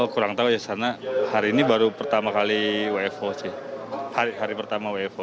kurang tahu ya karena hari ini baru pertama kali wfo sih hari pertama wfo